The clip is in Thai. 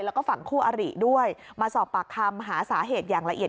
แล้วก็ฝั่งคู่อริด้วยมาสอบปากคำหาสาเหตุอย่างละเอียด